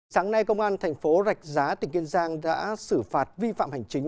sáng nay công an thành phố rạch giá tỉnh kiên giang đã xử phạt vi phạm hành chính